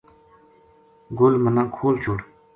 گل منا کھول چھُڑ